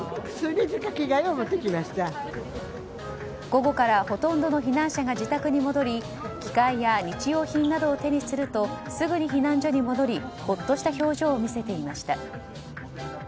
午後からほとんどの避難者が自宅に戻り着替えや日用品などを手にするとすぐに避難所に戻るとほっとした表情を見せていました。